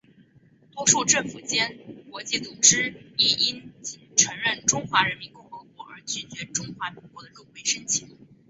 多数政府间国际组织亦因仅承认中华人民共和国而拒绝中华民国的入会申请。